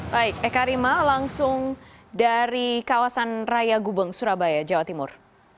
baik eka rima langsung dari kawasan raya gubeng surabaya jawa timur